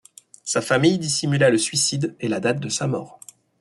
Sa famille dissimula le suicide et la date de sa mort.